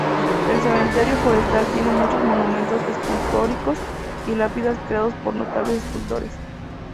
El cementerio forestal tiene muchos monumentos escultóricos y lápidas creados por notables escultores.